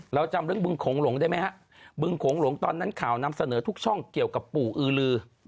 เราจำเรื่องบึงโขงหลงได้ไหมฮะบึงโขงหลงตอนนั้นข่าวนำเสนอทุกช่องเกี่ยวกับปู่อือลือ